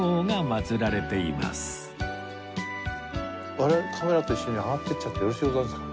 我々カメラと一緒に上がっていっちゃってよろしゅうございますか？